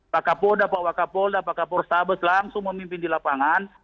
pak kapolda pak wakapolda pak kapol stables langsung memimpin di lapangan